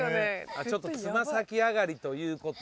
ちょっとつま先上がりということは。